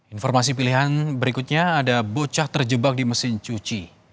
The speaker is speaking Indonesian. informasi pilihan berikutnya ada bocah terjebak di mesin cuci